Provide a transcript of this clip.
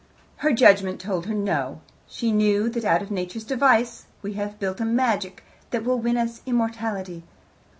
Her judgment told her no. She knew that out of Nature's device we have built a magic that will win us immortality.